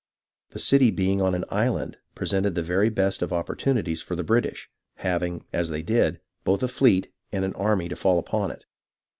The city being on an island presented the very best of opportunities for the British, having, as they did, both a fleet and an army to fall upon it.